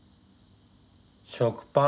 食パン。